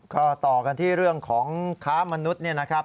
ก็ต่อกันที่เรื่องของค้ามนุษย์เนี่ยนะครับ